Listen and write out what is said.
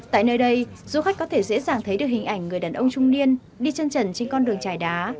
tại nơi đây du khách có thể dễ dàng thấy được hình ảnh người đàn ông trung niên đi chân trần trên con đường trải đá